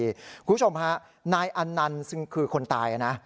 คุณผู้ชมฮะนายอันนันต์ซึ่งคือคนตายนะ